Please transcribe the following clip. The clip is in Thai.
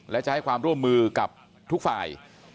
และจะให้ความร่วมมือกับทุกฝ่าย